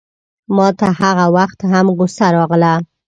ماته هغه وخت هم غوسه راغله.